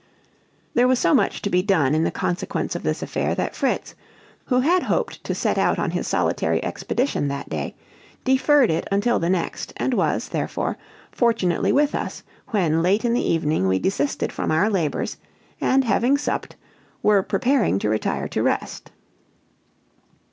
There was so much to be done in consequence of this affair that Fritz, who had hoped to set out on his solitary expedition that day, deferred it until the next; and was, therefore, fortunately with us, when late in the evening we desisted from our labors, and, having supped, were preparing to retire to rest.